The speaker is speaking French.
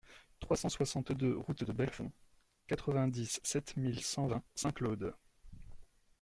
trois cent soixante-deux route de Belfond, quatre-vingt-dix-sept mille cent vingt Saint-Claude